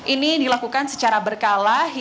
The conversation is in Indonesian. ini dilakukan secara berkala